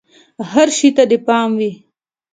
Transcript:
هر شي ته دې پام وي!